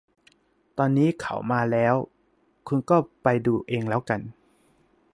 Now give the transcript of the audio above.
ตอนนี้เขามาแล้ว คุณก็ไปดูเองแล้วกัน